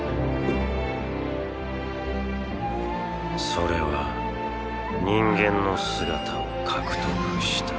「それ」は人間の姿を獲得した。